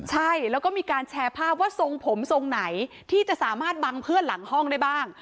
ใช่แล้วก็มีการแชร์ภาพว่าทรงผมทรงไหนที่จะสามารถบังเพื่อนหลังห้องได้บ้าง